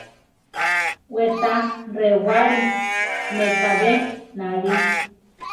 We ta rewáli mekabé náli.